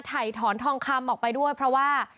ถ่ายถอนทองคำออกไปด้วยเพราะว่า